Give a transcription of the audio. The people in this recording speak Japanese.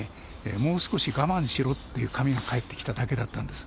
「もう少し我慢しろ」という紙が返ってきただけだったんです。